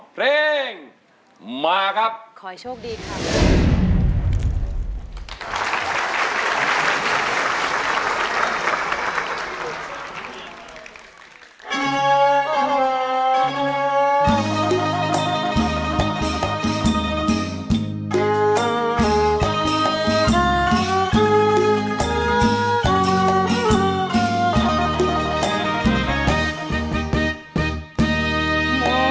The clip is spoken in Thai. เพลงมาครับขอโชคดีครับ